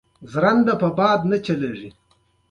احمدشاه بابا د دین او وطن پیاوړی ملاتړی و.